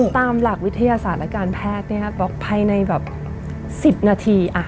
ตามหลักวิทยาศาสตร์และการแพทย์เนี้ยฮะบอกภัยในแบบสิบนาทีอ่ะ